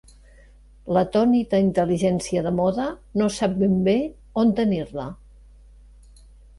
L'atònita intel·ligència de moda no sap ben bé on tenir-la.